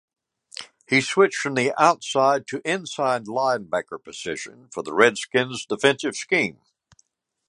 He switched from the outside to inside linebacker position for the Redskins' defensive scheme.